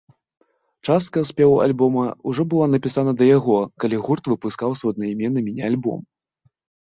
Частка спеваў альбома ўжо была напісана да яго, калі гурт выпускаў свой аднаймены міні-альбом.